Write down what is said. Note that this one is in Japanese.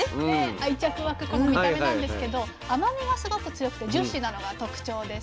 愛着湧くこの見た目なんですけど甘みがすごく強くてジューシーなのが特長です。